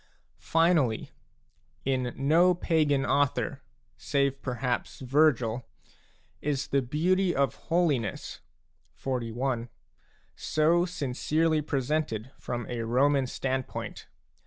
Finally, in no pagan author, save perhaps Vergil, is the beauty of holiness (XLI.) so sincerely presented from a Roman standpoint.